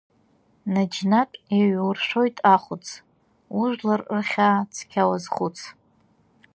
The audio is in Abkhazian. Наџьнатә еиҩуршәоит ахәц, ужәлар рхьаа цқьа уазхәыц.